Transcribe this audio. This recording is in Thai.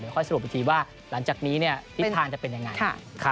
ค่อยสรุปอีกทีว่าหลังจากนี้ทิศทางจะเป็นยังไง